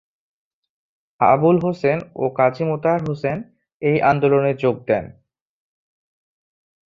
আবুল হুসেন ও কাজী মোতাহার হোসেন এই আন্দোলনে যোগ দেন।